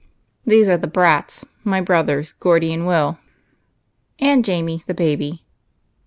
These are the Brats, my brothers, Geordie and Will, and Jamie the Baby.